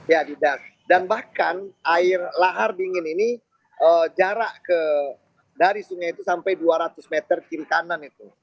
ya tidak dan bahkan air lahar dingin ini jarak dari sungai itu sampai dua ratus meter kiri kanan itu